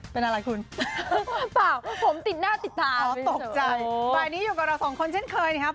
เป็นอะไรคุณเปล่าผมติดหน้าติดตาอ๋อตกใจบ่ายนี้อยู่กับเราสองคนเช่นเคยนะครับ